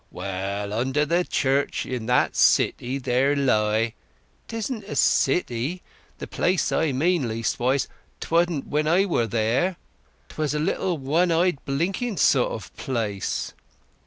"Well, under the church of that city there lie—" "'Tisn't a city, the place I mean; leastwise 'twaddn' when I was there—'twas a little one eyed, blinking sort o' place."